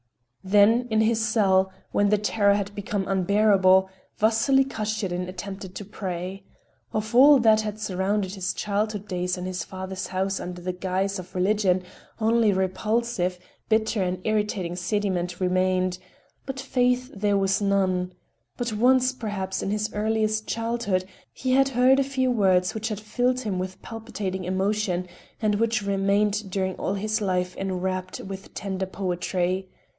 Then, in his cell, when the terror had become unbearable, Vasily Kashirin attempted to pray. Of all that had surrounded his childhood days in his father's house under the guise of religion only a repulsive, bitter and irritating sediment remained; but faith there was none. But once, perhaps in his earliest childhood, he had heard a few words which had filled him with palpitating emotion and which remained during all his life enwrapped with tender poetry.